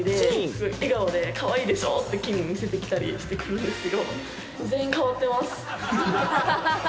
笑顔で「かわいいでしょ！」って菌を見せてきたりしてくるんです。